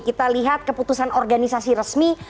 kita lihat keputusan organisasi resmi